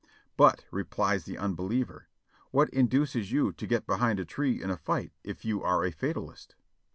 "But," replies the unbeliever, "what induces you to get behind a tree in a fight, if you are a fatalist?"